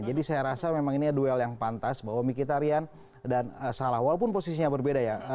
jadi saya rasa memang ini duel yang pantas bahwa mkhitaryan dan salah walaupun posisinya berbeda ya